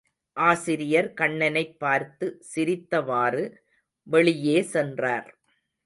ஆசிரியர் கண்ணனைப் பார்த்து சிரித்தவாறு வெளியே சென்றார்.